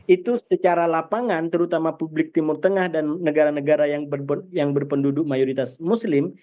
itu secara lapangan terutama publik timur tengah dan negara negara yang berpenduduk mayoritas muslim